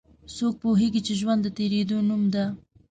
څوک پوهیږي چې ژوند د تیریدو نوم ده